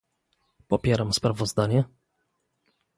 Popieram sprawozdanie